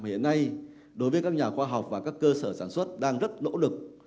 hiện nay đối với các nhà khoa học và các cơ sở sản xuất đang rất nỗ lực